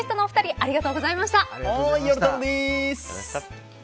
ＥＸＩＴのお二人ありがとうございました。